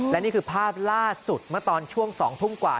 และนี่คือภาพล่าสุดเมื่อตอนช่วง๒ทุ่มกว่า